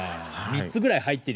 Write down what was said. ３つぐらい入ってるよ